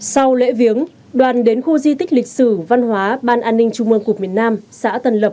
sau lễ viếng đoàn đến khu di tích lịch sử văn hóa ban an ninh trung ương cục miền nam huyện tân biên